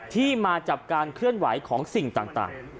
ที่มาจากการเคลื่อนไหวของสิ่งต่าง